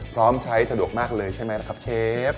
พร้อมใช้สะดวกมากเลยใช่ไหมล่ะครับเชฟ